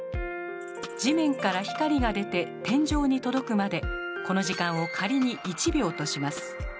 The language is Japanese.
地面から光が出て天井に届くまでこの時間を仮に１秒とします。